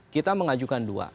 kita mengajukan dua